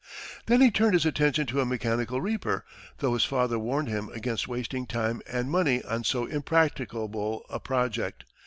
Then he turned his attention to a mechanical reaper, though his father warned him against wasting time and money on so impracticable a project.